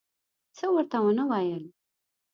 څه ورته ونه ویل.